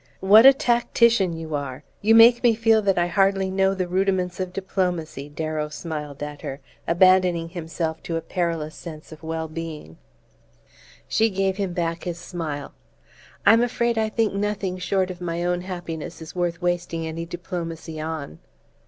"What a tactician you are! You make me feel that I hardly know the rudiments of diplomacy," Darrow smiled at her, abandoning himself to a perilous sense of well being. She gave him back his smile. "I'm afraid I think nothing short of my own happiness is worth wasting any diplomacy on!"